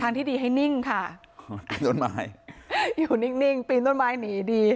ที่ดีให้นิ่งค่ะต้นไม้อยู่นิ่งนิ่งปีนต้นไม้หนีดี